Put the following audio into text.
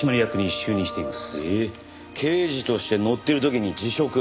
えっ刑事としてノッてる時に辞職。